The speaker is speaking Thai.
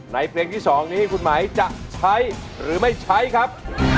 เพลงที่๒นี้คุณหมายจะใช้หรือไม่ใช้ครับ